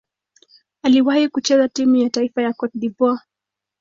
Aliwahi kucheza timu ya taifa ya Cote d'Ivoire.